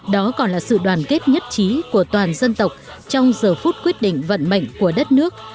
đó còn là sự đoàn kết nhất trí của toàn dân tộc trong giờ phút quyết định vận mệnh của đất nước